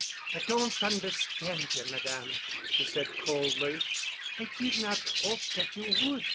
"I don't understand you, Madame," she said coldly. "I did not 'ope dat you would.